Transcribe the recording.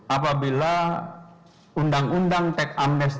apabila undang undang teks amnesti